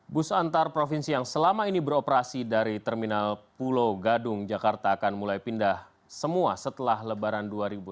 bus antar provinsi yang selama ini beroperasi dari terminal pulau gadung jakarta akan mulai pindah semua setelah lebaran dua ribu delapan belas